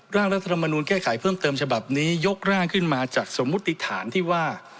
ร่างรัฐธรรมนูลแก้ไขเพิ่มเติมฉบับนี้ยกร่างขึ้นมาจากสมมุติฐานที่ว่า